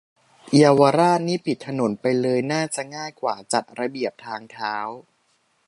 เยาวราชนี่ปิดถนนไปเลยน่าจะง่ายกว่าจัดระเบียบทางเท้า